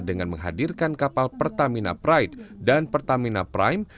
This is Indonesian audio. dengan menghadirkan kapal pertamina pride dan pertamina prime